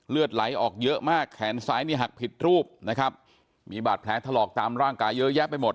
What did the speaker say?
เลือดไหลออกเยอะมากแขนซ้ายนี่หักผิดรูปนะครับมีบาดแผลถลอกตามร่างกายเยอะแยะไปหมด